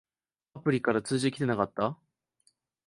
アプリから通知きてなかった？